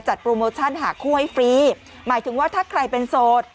โปรโมชั่นหาคู่ให้ฟรีหมายถึงว่าถ้าใครเป็นโสด